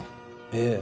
ええ。